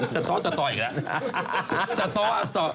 สตสตอีกแล้ว